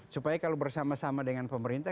supaya kalau bersama sama dengan pemerintah